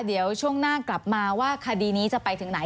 เดี๋ยวช่วงหน้ากลับมาว่าคดีนี้จะไปถึงไหน